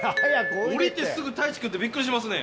降りてすぐ太一君ってびっくりしますね。